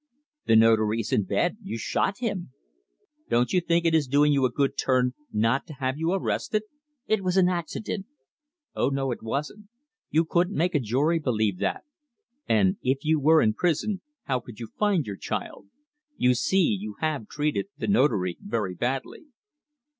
"The Notary is in bed you shot him! Don't you think it is doing you a good turn not to have you arrested?" "It was an accident." "Oh no, it wasn't! You couldn't make a jury believe that. And if you were in prison, how could you find your child? You see, you have treated the Notary very badly."